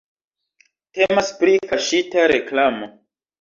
Temas pri kaŝita reklamo.